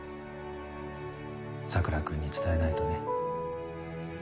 桜君に伝えないとね。